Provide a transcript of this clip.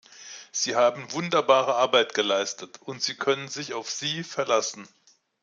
Sie haben wunderbare Arbeit geleistet, und Sie können sich auf sie verlassen.